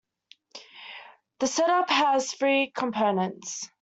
The setup has three components.